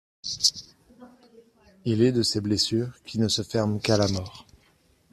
Il est de ces blessures qui ne se ferment qu’à la mort.